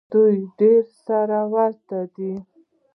دوی ډېر سره ورته دي.